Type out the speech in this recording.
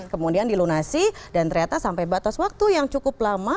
kemudian dilunasi dan ternyata sampai batas waktu yang cukup lama